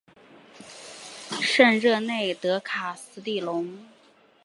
圣热内德卡斯蒂隆。